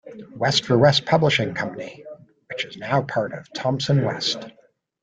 West for West Publishing Company, which is now part of Thomson West.